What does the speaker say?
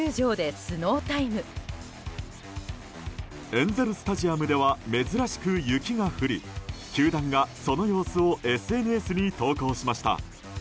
エンゼル・スタジアムでは珍しく雪が降り球団がその様子をＳＮＳに投稿しました。